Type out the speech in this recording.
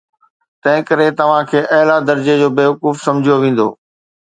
تنهنڪري توهان کي اعليٰ درجي جو بيوقوف سمجهيو ويندو.